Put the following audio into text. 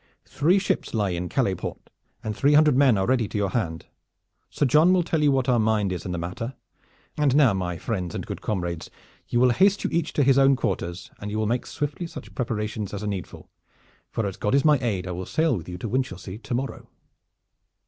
Three ships lie in Calais port and three hundred men are ready to your hand. Sir John will tell you what our mind is in the matter. And now, my friends and good comrades, you will haste you each to his own quarters, and you will make swiftly such preparations as are needful, for, as God is my aid, I will sail with you to Winchelsea to morrow!"